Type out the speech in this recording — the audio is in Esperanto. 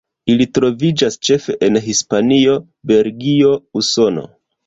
Ili troviĝas ĉefe en Hispanio, Belgio, Usono.